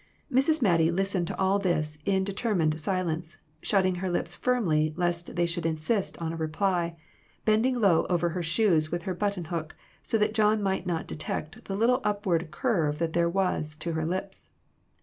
Mrs. Mattie listened to all this in determined silence, shutting her lips firmly lest they should insist on a reply, bending low over her shoes with her button hook, so that John might not detect the little upward curve that there was to her lips.